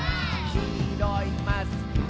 「きいろい」「マスクの」